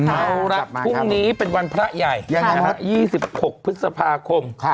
เอาละพรุ่งนี้เป็นวันพระใหญ่๒๖พฤษภาคม